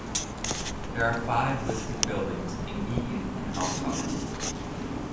There are five listed buildings in Eaton and Alsop.